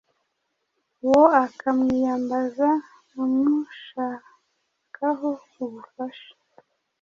uwo ukamwiyambaza amushakaho ubufasha.